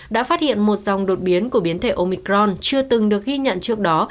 đã phát hiện một dòng đột biến của biến thể omicron chưa từng được ghi nhận trước đó